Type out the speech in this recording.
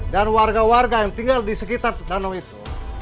dan warga warga yang tinggal di sekitar danau itu